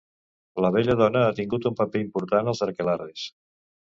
La belladona ha tingut un paper important als aquelarres.